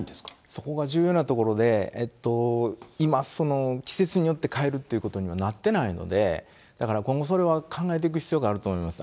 そこが重要なところで、今、季節によって変えるっていうことにはなってないので、だから今後、それは考えていく必要があると思います。